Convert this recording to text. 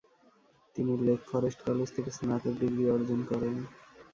তিনি Lake Forest College থেকে স্নাতক ডিগ্রী অর্জন করেন।